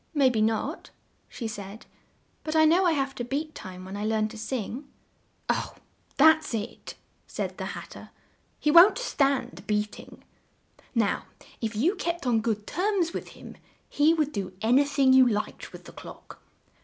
"May be not," she said, "but I know I have to beat time when I learn to sing." "Oh! that's it," said the Hat ter. "He won't stand beat ing. Now if you kept on good terms with him, he would do an y thing you liked with the clock.